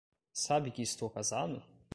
Sabe que estou casado?